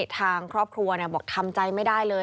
ทางครอบครัวบอกทำใจไม่ได้เลย